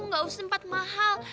nggak usah tempat mahal